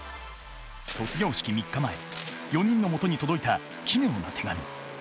卒業式３日前４人のもとに届いた奇妙な手紙。